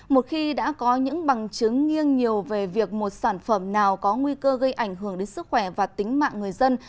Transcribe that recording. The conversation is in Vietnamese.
một khi đã có những bằng chứng nghiêng nhiều về việc một sản phẩm nào có nguy cơ gây ảnh hưởng đến sức khỏe và tính mạng người dân